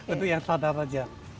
itu yang sadar aja